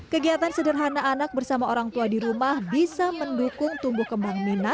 kegiatan sederhana anak bersama orang tua di rumah bisa mendukung tremendous pleasure you have